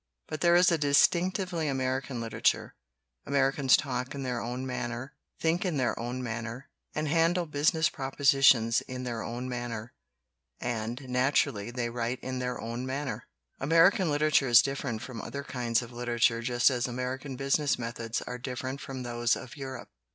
But there is a distinctively American literature; Americans talk in their own man ner, think in their own manner, and handle busi ness propositions in their own manner, and natu rally they write in their own manner. American literature is different from other kinds of literature just as American business methods are different from those of Europe.